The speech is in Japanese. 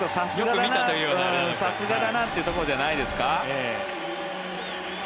さすがだなというところじゃないですか。